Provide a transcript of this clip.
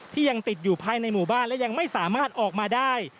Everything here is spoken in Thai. ยังติดอยู่ภายในหมู่บ้านและยังไม่สามารถออกมาได้